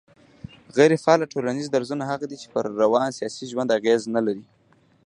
غيري فعاله ټولنيز درځونه هغه دي چي پر روان سياسي ژوند اغېز نه لري